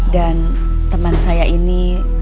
dan teman saya ini